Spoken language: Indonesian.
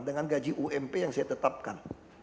dengan gaji ump yang saya tetapkan